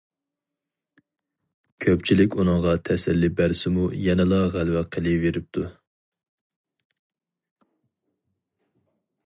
كۆپچىلىك ئۇنىڭغا تەسەللى بەرسىمۇ، يەنىلا غەلۋە قىلىۋېرىپتۇ.